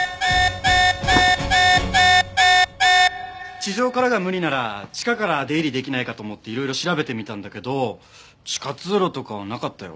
地上からが無理なら地下から出入り出来ないかと思っていろいろ調べてみたんだけど地下通路とかなかったよ。